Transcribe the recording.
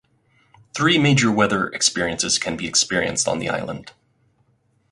Three major weather experiences can be experienced on the island.